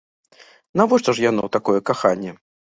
Навошта ж яно, такое каханне?